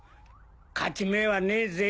勝ち目はねえぜ。